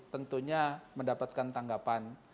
tentunya mendapatkan tanggapan